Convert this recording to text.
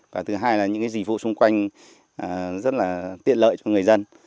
và thứ hai là những cái dị vụ xung quanh rất là tiện lợi cho người dân